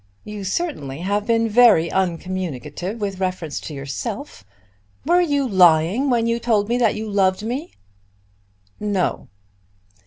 You certainly have been very uncommunicative with reference to yourself. Were you lying when you told me that you loved me?" "No."